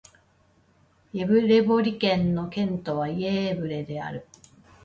イェヴレボリ県の県都はイェーヴレである